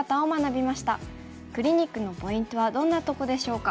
クリニックのポイントはどんなとこでしょうか。